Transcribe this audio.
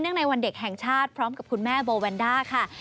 ในวันเด็กแห่งชาติพร้อมกับคุณแม่โบแวนด้าค่ะ